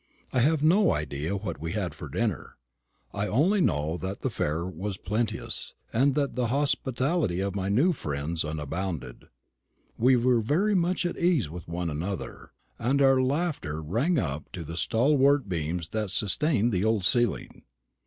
I have no idea what we had for dinner. I know only that the fare was plenteous, and the hospitality of my new friends unbounded. We were very much at ease with one another, and our laughter rang up to the stalwart beams that sustained the old ceiling.